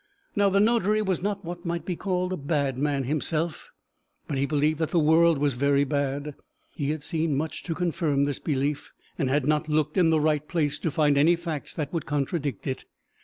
Now the notary was not what might be called a bad man himself, but he believed that the world was very bad. He had seen much to confirm this belief, and had not looked in the right place to find any facts that would contradict it.